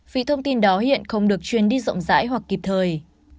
vì thông tin đó hiện không được truyền đi rộng rãi hoặc kịp thời